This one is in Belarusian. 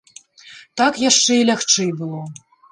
Так яшчэ і лягчэй было.